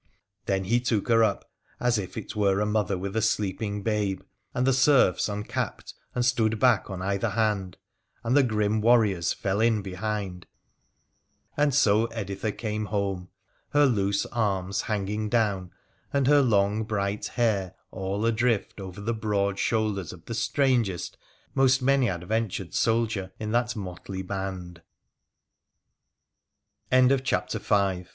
Then he took her up, as if it were a mother with a sleepii babe, and the serfs uncapped and stood back on either han PHRA THE PHCENICIAN 81 and the grim warriors fell in behind, and so Editha came home, her loose arms hanging down and her long bright hair all adrift over the broad shoulders of the strangest, most many adventured soldier in that motley band. CHAPTER V